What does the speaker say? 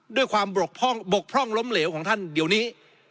ด้วยความบกพร่องล้มเหลวของท่านเดี๋ยวนี้